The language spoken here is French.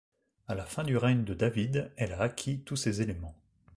À la fin du règne de David, elle a acquis tous ces éléments.